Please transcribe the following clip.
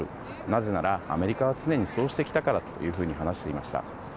なぜならアメリカは常にそうしてきたからというふうに話していました。